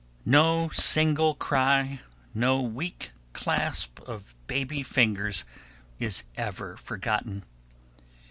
No single cry, no weak clasp of baby fingers is ever forgotten.